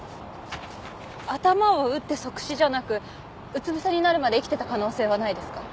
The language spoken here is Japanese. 頭を打って即死じゃなくうつ伏せになるまで生きていた可能性はないですか？